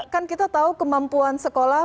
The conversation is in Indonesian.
kan kita tahu kemampuan sekolah